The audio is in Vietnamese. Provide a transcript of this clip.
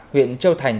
huyện châu thành